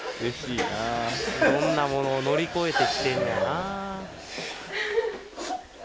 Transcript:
いろんなものを乗り越えて来てんねやな。